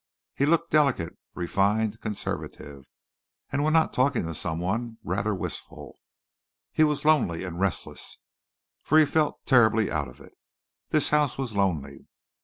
He looked delicate, refined, conservative, and, when not talking to someone, rather wistful. He was lonely and restless, for he felt terribly out of it. This house was lonely.